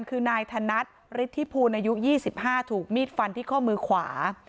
คือนายธนัดฤทธิพูลอายุ๒๕ถูกมีดฟันที่ข้อมือขวา